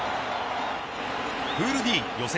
プールＤ予選